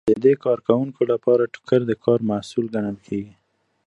د دې کارکوونکو لپاره ټوکر د کار محصول ګڼل کیږي.